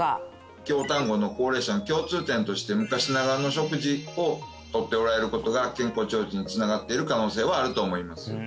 京丹後の高齢者の共通点として昔ながらの食事をとっておられることが健康長寿につながっている可能性はあると思います